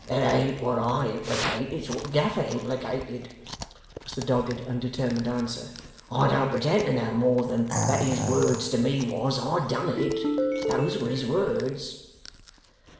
'It ain't what I implicate, it's what Gaffer implicated,' was the dogged and determined answer. 'I don't pretend to know more than that his words to me was, "I done it." Those was his words.